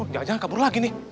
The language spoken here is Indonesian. jangan jangan kabur lagi nih